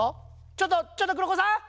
ちょっとちょっとくろごさん